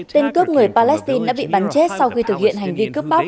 tên cướp người palestine đã bị bắn chết sau khi thực hiện hành vi cướp bóc